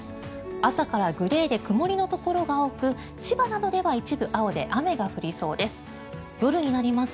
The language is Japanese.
朝からグレーで曇りのところが多く千葉などでは一部青で雨が降りそうです。